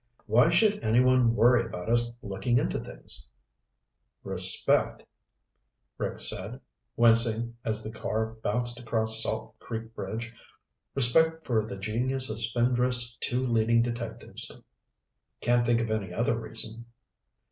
"Why should anyone worry about us looking into things?" "Respect," Rick said, wincing as the car bounced across Salt Creek Bridge. "Respect for the genius of Spindrift's two leading detectives. Can't think of any other reason."